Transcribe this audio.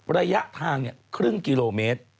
ระยะทางครึ่งกิโลเมตร